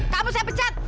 kamu saya pecat